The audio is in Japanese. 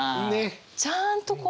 ちゃあんとこう。